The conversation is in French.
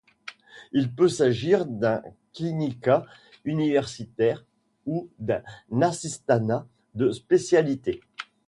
Il peut s'agir d'un clinicat universitaire ou d'un assistanat de spécialité.